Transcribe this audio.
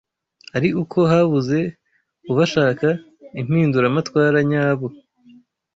ari uko habuze abashaka impinduramatwara nyabo